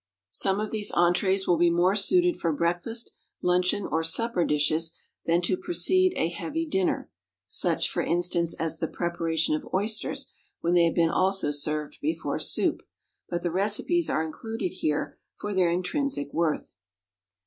Some of these entrées will be more suited for breakfast, luncheon, or supper dishes than to precede a heavy dinner, such, for instance, as the preparations of oysters when they have been also served before soup; but the recipes are included here for their intrinsic worth.